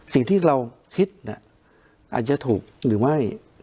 สิ่งที่เราคิดอาจจะถูกหรือไม่